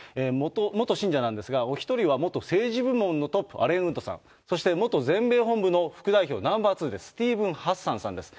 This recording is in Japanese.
元信者なんですが、お一人は元政治部門のトップ、アレン・ウッドさん、そして元全米本部の副代表、ナンバー２です、スティーブン・ハッサンさんです。